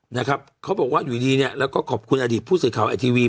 นะครับเขาบอกว่าอยู่ดีเนี่ยแล้วก็ขอบคุณอดีตผู้สื่อข่าวไอทีวี